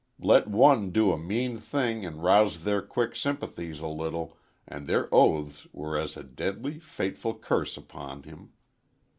Let one do a mean thing and rouse their quick sympathies a little and their oaths were as a deadly, fateful curse upon him.